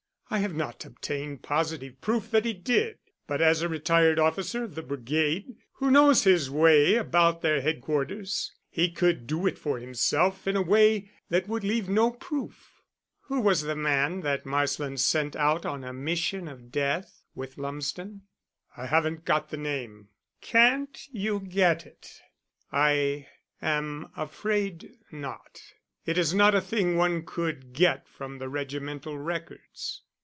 "I have not obtained positive proof that he did. But as a retired officer of the Brigade, who knows his way about their headquarters, he could do it for himself in a way that would leave no proof." "Who was the man that Marsland sent out on a mission of death with Lumsden?" "I haven't got the name." "Can't you get it?" "I am afraid not. It is not a thing one could get from the regimental records."